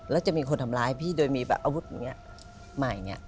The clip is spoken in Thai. แล้วมีคนทำร้ายพี่โดยมีแบบอาวุธอย่างนี้มายอย่างนี้